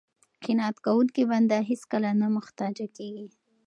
قناعت کوونکی بنده هېڅکله نه محتاج کیږي.